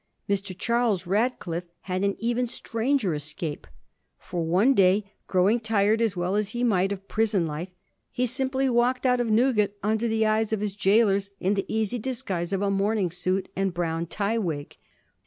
Mr. Charles Radcliffe had an even stranger escape ; for one day, growing tired, as well he might, of prison life, he simply walked out of New gate under the eyes of his gaolers in the easy disguise of a morning suit and a brown tye wig.